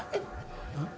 うん？